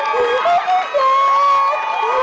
พี่สิทธิ์